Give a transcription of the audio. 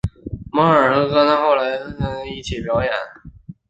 摩尔和戈顿后来也和布兰卡合奏团一起表演。